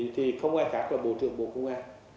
thì không ai khác là bộ trưởng bộ công an